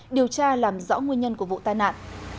điều tra làm rõ nguyên nhân của vụ tai nạn